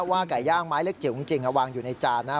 ว่าไก่ย่างไม้เล็กจิ๋วจริงวางอยู่ในจานนะ